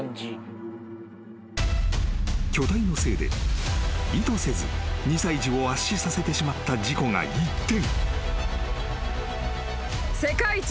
［巨体のせいで意図せず２歳児を圧死させてしまった事故が一転］